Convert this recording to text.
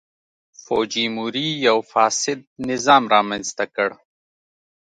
فوجیموري یو فاسد نظام رامنځته کړ.